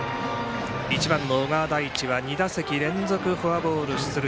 １番の小川大地は２打席連続でフォアボール出塁。